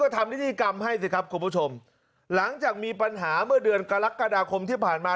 ทำนิติกรรมให้สิครับคุณผู้ชมหลังจากมีปัญหาเมื่อเดือนกรกฎาคมที่ผ่านมา